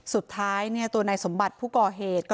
สุดท้ายเนี่ยตัวในสมบัตย์ผู้ก่อเหตุ